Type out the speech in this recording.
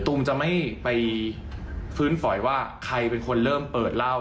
ตูมจะไม่ไปฟื้นฝอยว่าใครเป็นคนเริ่มเปิดเหล้า